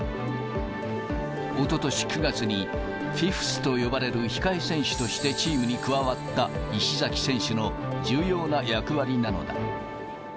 おととし９月に、フィフスと呼ばれる控え選手としてチームに加わった石崎選手の重要な役割なのだ。